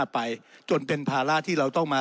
ไปจนเป็นภาระที่เราต้องมา